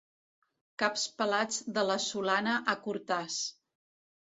Caps pelats de la solana a Cortàs.